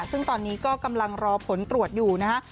ซึ่งตอนนี้ก็กำลังรอผลตรวจอยู่นะฮะ